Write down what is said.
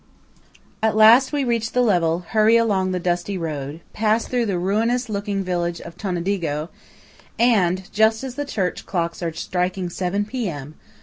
At last we reach the level; hurry along the dusty road; pass through the ruinous looking village of Tonadigo, and just as the church clocks are striking seven P.M.